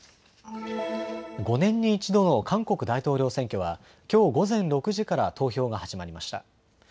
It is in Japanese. ５年に１度の韓国大統領選挙はきょう午前６時から投票が始まりました。